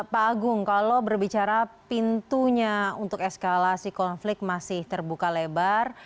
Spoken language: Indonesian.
pak agung kalau berbicara pintunya untuk eskalasi konflik masih terbuka lebar